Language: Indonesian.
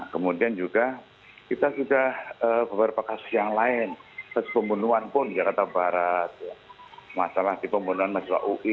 kemudian juga kita sudah beberapa kasus yang lain kasus pembunuhan pun jakarta barat masalah di pembunuhan mahasiswa ui